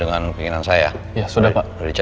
jangan lupa like share dan subscribe